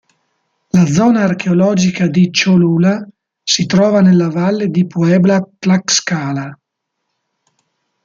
La zona archeologica di Cholula si trova nella valle di Puebla-Tlaxcala.